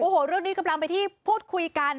โอ้โหเรื่องนี้กำลังไปที่พูดคุยกัน